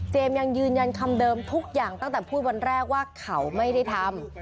ยังยืนยันคำเดิมทุกอย่างตั้งแต่พูดวันแรกว่าเขาไม่ได้ทำ